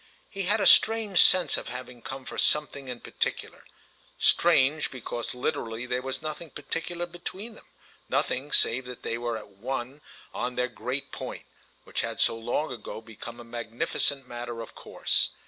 He had a strange sense of having come for something in particular; strange because literally there was nothing particular between them, nothing save that they were at one on their great point, which had long ago become a magnificent matter of course.